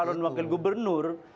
kalau saya bukan wakil gubernur